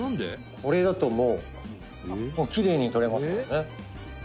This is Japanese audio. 「これだと、もうきれいに取れますもんね」